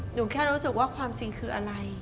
หนูแค่รู้สึกว่าความจริงคืออะไร